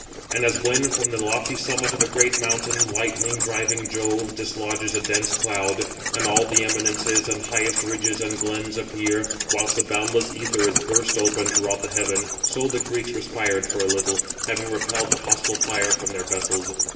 And as when, from the lofty summit of a great mountain, 516 lightning driving Jove dislodges a dense cloud, and all the eminences and highest ridges and glens appear, whilst the boundless æther is burst open 517 throughout the heaven; so the Greeks respired for a little, having repelled the hostile fire from their vessels.